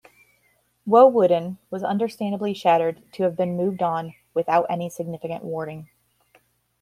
Woewodin was understandably shattered to have been moved on without any significant warning.